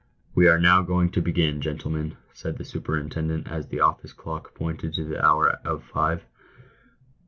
J " "We are now going to begin, gentlemen," said the superintendent, as the office clock pointed to the hour of five.